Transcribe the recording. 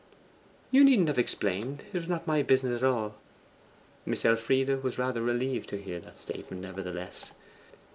'You needn't have explained: it was not my business at all.' Miss Elfride was rather relieved to hear that statement, nevertheless.